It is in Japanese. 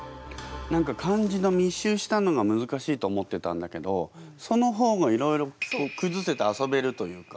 何か漢字の密集したのがむずかしいと思ってたんだけどその方がいろいろくずせて遊べるというか。